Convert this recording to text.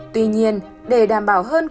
tuy nhiên để đảm bảo hơn quyền lợi